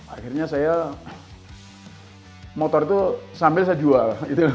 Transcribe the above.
akhirnya saya motor itu sambil saya jual